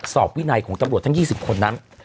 สอบวินัยของตำรวจทั้ง๒๐คนนั้น